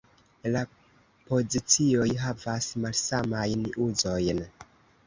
La pozicioj havas malsamajn uzojn.